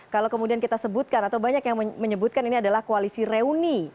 kalau kemudian kita sebutkan atau banyak yang menyebutkan ini adalah koalisi reuni